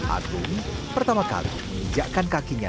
agung pertama kali menginjakkan kakinya